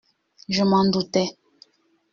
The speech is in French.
—«Je m’en doutais.